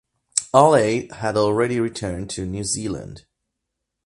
All eight had already returned to New Zealand.